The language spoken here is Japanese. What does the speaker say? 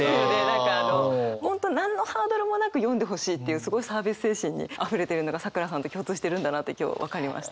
何かあの本当何のハードルもなく読んでほしいっていうすごいサービス精神にあふれてるのがさくらさんと共通してるんだなって今日分かりました。